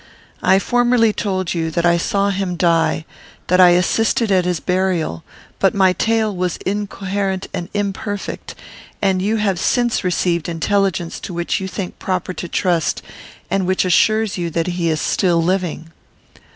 I formerly told you, that I saw him die; that I assisted at his burial: but my tale was incoherent and imperfect, and you have since received intelligence to which you think proper to trust, and which assures you that he is still living.